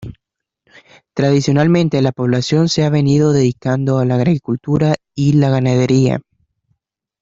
Tradicionalmente la población se ha venido dedicando a la agricultura y la ganadería.